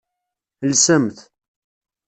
Lsemt.